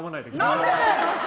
何で！